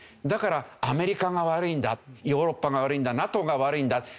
だからアメリカが悪いんだヨーロッパが悪いんだＮＡＴＯが悪いんだ